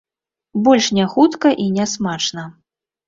Больш не хутка і не смачна.